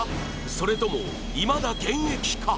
それともいまだ現役か？